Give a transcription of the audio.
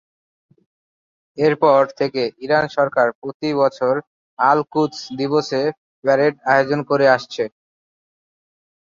এর পর থেকে ইরান সরকার প্রতি বছর আল-কুদস দিবসে প্যারেড আয়োজন করে আসছে।